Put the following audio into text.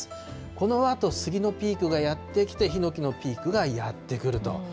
このあとスギのピークがやって来て、ヒノキのピークがやって来ると。